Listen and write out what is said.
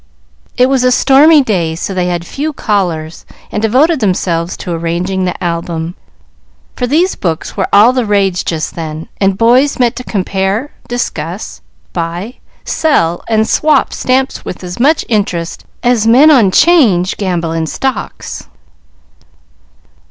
It was a stormy day, so they had few callers, and devoted themselves to arranging the album; for these books were all the rage just then, and boys met to compare, discuss, buy, sell, and "swap" stamps with as much interest as men on 'Change gamble in stocks.